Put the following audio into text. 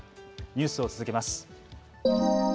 ニュースを続けます。